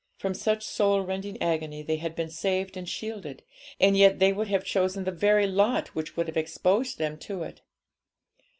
From such soul rending agony they had been saved and shielded; and yet they would have chosen the very lot which would have exposed them to it.